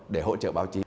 để hỗ trợ báo chí